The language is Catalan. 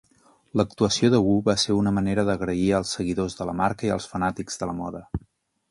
L'actuació de Wu va ser una manera d'agrair als seguidors de la marca i els fanàtics de la moda.